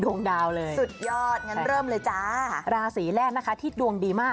บอกเลยนะราศรีเมทุนราศรีของผม